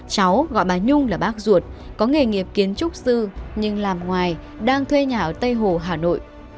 cháu gọi bà nhung là bác ruột có nghề nghiệp kiến trúc sư nhưng làm ngoài đang thuê nhà ở tây hồ hà nội